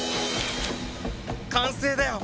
完成だよ。